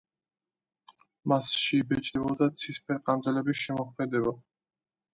მასში იბეჭდებოდა ცისფერყანწელების შემოქმედება.